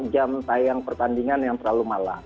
jam tayang pertandingan yang terlalu malam